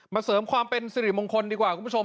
เสริมความเป็นสิริมงคลดีกว่าคุณผู้ชม